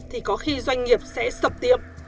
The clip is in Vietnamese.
thì có khi doanh nghiệp sẽ sập tiệm